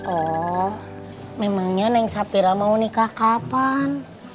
oh memangnya neng sapira mau nikah kapan